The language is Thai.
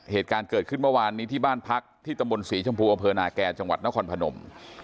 เหตุการณ์เกิดขึ้นเมื่อวานนี้ที่บ้านพักที่ตำบลศรีชมพูอำเภอนาแก่จังหวัดนครพนม